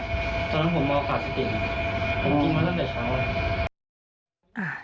แล้วผมมอบ๔๑ผมกินมันนั้นตั้งแต่เช้า